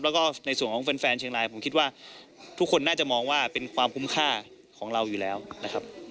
แล้วก็ในส่วนของแฟนเชียงรายผมคิดว่าทุกคนน่าจะมองว่าเป็นความคุ้มค่าของเราอยู่แล้วนะครับ